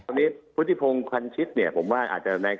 อันนี้พุธิพงฝันชิทธิ์เนี่ยผมข้าวเนี่ย